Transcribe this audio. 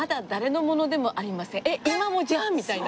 えっ今もじゃん！みたいな。